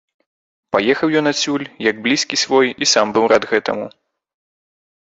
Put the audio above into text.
Паехаў ён адсюль, як блізкі свой, і сам быў рад гэтаму.